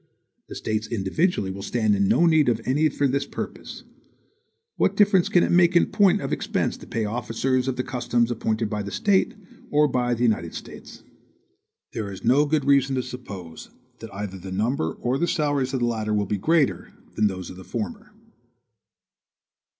The States individually will stand in no need of any for this purpose. What difference can it make in point of expense to pay officers of the customs appointed by the State or by the United States? There is no good reason to suppose that either the number or the salaries of the latter will be greater than those of the former.